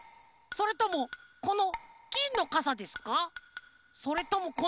それともこのぎんのかさでしょうか？